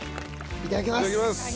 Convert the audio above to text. いただきます。